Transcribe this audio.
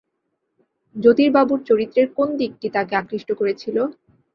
জ্যোতিবাবুর চরিত্রের কোন দিকটি তাঁকে আকৃষ্ট করেছিল?